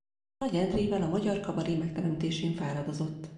Nagy Endrével a magyar kabaré megteremtésén fáradozott.